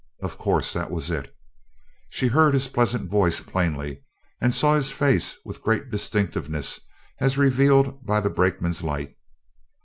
Of course, that was it! She heard his pleasant voice plainly and saw his face with great distinctness as revealed by the brakeman's light.